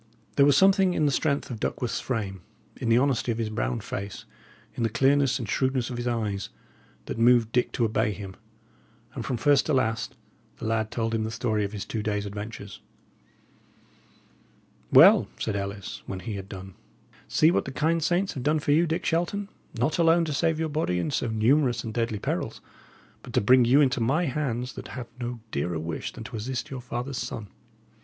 There was something in the strength of Duckworth's frame, in the honesty of his brown face, in the clearness and shrewdness of his eyes, that moved Dick to obey him; and from first to last the lad told him the story of his two days' adventures. "Well," said Ellis, when he had done, "see what the kind saints have done for you, Dick Shelton, not alone to save your body in so numerous and deadly perils, but to bring you into my hands that have no dearer wish than to assist your father's son.